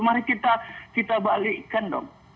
mari kita balikkan dong